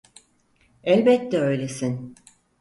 Elbette öylesin.